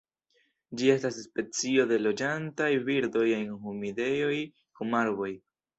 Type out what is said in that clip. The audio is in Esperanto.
Ĝi estas specio de loĝantaj birdoj en humidejoj kun arboj.